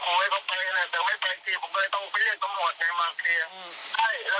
ผมก็ไม่ได้ขอโทษของตัวนั้นที่ว่า